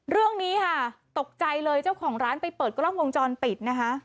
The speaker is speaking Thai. เรื่องนี้ค่ะตกใจเลยเจ้าของร้านไปเปิดกล้องวงจรปิดนะคะ